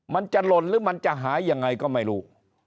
มันจะหล่นหรือมันจะหายยังไงก็ไม่รู้